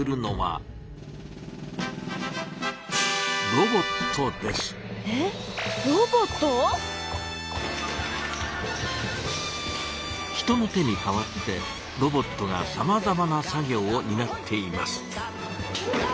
ロボット⁉人の手に代わってロボットがさまざまな作業をになっています。